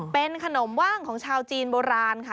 เป็นขนมว่างของชาวจีนโบราณค่ะ